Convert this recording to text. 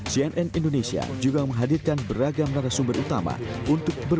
cnn indonesia juga menghadirkan berbagai peristiwa penting dari dalam negeri